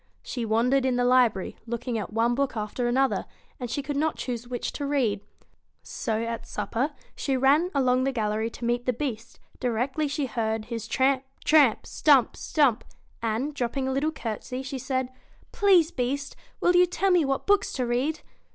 She wandered in the library, looking at one book after another, and she could not choose which to read. So at supper she ran along the gallery to meet the Beast directly she heard his tramp, tramp ! stump, stump ! and, dropping a little courtesy, she said : 'Please, Beast! will you tell me what books to read